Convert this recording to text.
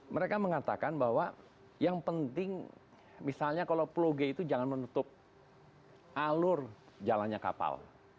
mereka mengatakan bahwa yang penting misalnya kalau pulau g itu jangan menutup alur jalannya kapal